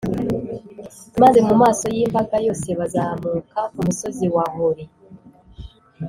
maze mu maso y’imbaga yose bazamuka ku musozi wa hori.